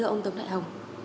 ông tổng đại hồng